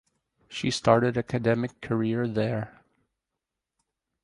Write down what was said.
She started academic career there.